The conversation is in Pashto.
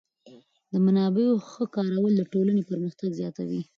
د منابعو ښه کارول د ټولنې پرمختګ زیاتوي.